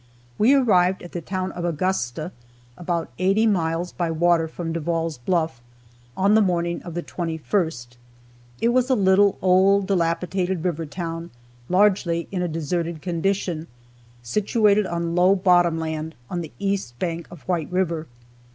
We arrived at the town of Augusta, (about eighty miles by water from Devall's Bluff,) on the morning of the 21st. It was a little, old, dilapidated river town, largely in a deserted condition, situated on low, bottom land, on the east bank of White river.